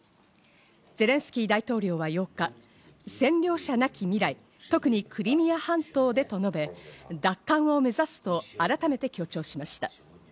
ゼレンスキー大統領は８日、「占領者なき未来、特にクリミア半島で」と述べ、奪還を目指すと改めて強調しました。